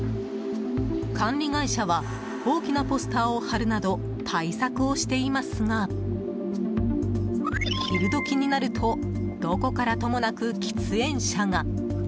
管理会社は大きなポスターを貼るなど対策をしていますが昼時になるとどこからともなく喫煙者が。